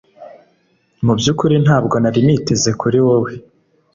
Mu byukuri ntabwo nari niteze kuri wewe